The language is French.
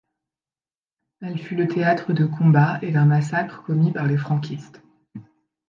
Elle fut le théâtre de combats et d'un massacre commis par les franquistes.